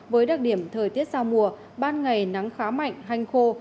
với đặc điểm thời tiết giao mùa ban ngày nắng khá mạnh hanh khô